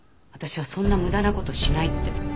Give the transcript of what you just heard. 私はそんな無駄な事しないって。